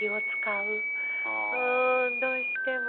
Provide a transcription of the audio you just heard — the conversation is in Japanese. うんどうしても。